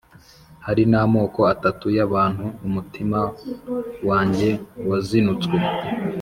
Hari n’amoko atatu y’abantu, umutima wanjye wazinutswe,